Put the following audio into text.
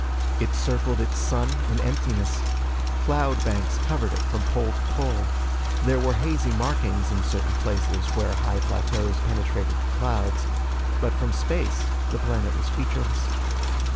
It circled its sun in emptiness. Cloud banks covered it from pole to pole. There were hazy markings in certain places, where high plateaus penetrated the clouds. But from space the planet was featureless.